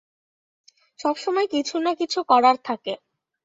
সবসময় কিছু না কিছু করার থাকে।